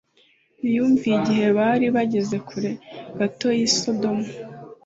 ntiyumviye Igihe bari bageze kure gato y i Sodomu